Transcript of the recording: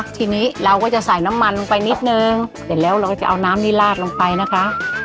ทีนี้เราก็จะใส่น้ำมันลงไปนิดนึงเสร็จแล้วเราก็จะเอาน้ำนี้ลาดลงไปนะคะ